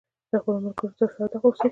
د خپلو ملګرو سره صادق اوسئ.